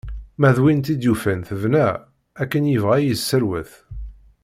Ma d win tt-id yufan tebna, akken yebɣa i yesserwet.